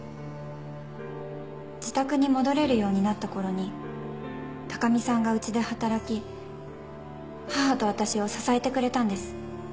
自宅に戻れるようになったころに高見さんがうちで働き母と私を支えてくれたんです。